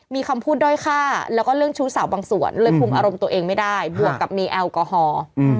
มีคำพูดด้อยค่าแล้วก็เรื่องชู้สาวบางส่วนเลยคุมอารมณ์ตัวเองไม่ได้บวกกับมีแอลกอฮอล์